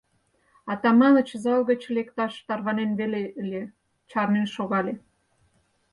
Атаманыч зал гыч лекташ тарванен веле ыле, чарнен шогале.